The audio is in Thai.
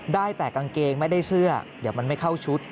ได้แต่กางเกงไม่ได้เสื้อเดี๋ยวมันไม่เข้าชุด